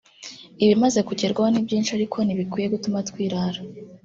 ibimaze kugerwaho ni byinshi ariko ntibikwiye gutuma twirara